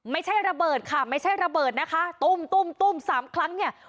ไม่ใช่ระเบิดค่ะไม่ใช่ระเบิดนะคะตุ้มตุ้มตุ้มสามครั้งเนี่ย